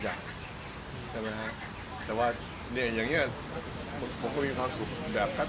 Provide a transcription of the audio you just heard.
ยกก็มาใช้ความสุขของพี่สวยคือเรามีความสุขหลายแบบ